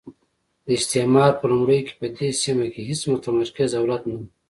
د استعمار په لومړیو کې په دې سیمه کې هېڅ متمرکز دولت نه وو.